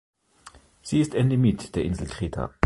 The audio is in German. Sie ist Endemit der Insel Kreta.